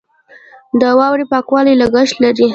د واورې پاکول لګښت لري.